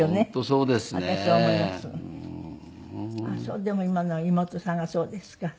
でも今の妹さんがそうですか。